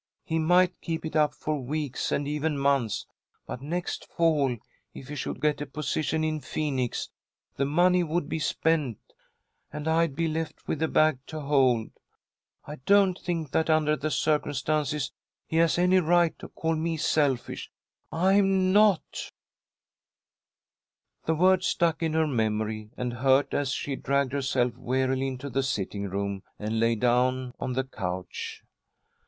He might keep it up for weeks, and even months, but next fall, if he should get a position in Phoenix, the money would be spent and I'd be left with the bag to hold. I don't think that, under the circumstances, he has any right to call me selfish. I'm not!" The word stuck in her memory, and hurt, as she dragged herself wearily into the sitting room, and lay down on the couch.